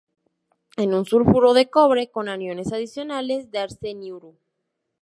Es un sulfuro de cobre con aniones adicionales de arseniuro.